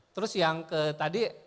terus yang ke tadi